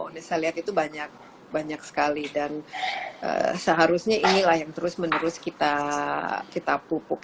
ini saya lihat itu banyak sekali dan seharusnya inilah yang terus menerus kita pupuk